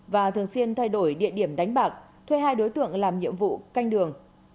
và thường xuyên thay đổi địa điểm đánh bạc thuê hai đối tượng làm nhiệm vụ canh đường